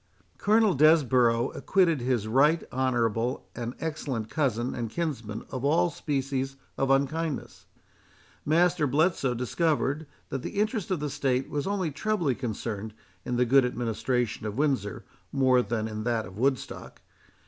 Colonel Desborough acquitted his right honourable and excellent cousin and kinsman of all species of unkindness; Master Bletson discovered, that the interest of the state was trebly concerned in the good administration of Windsor more than in that of Woodstock.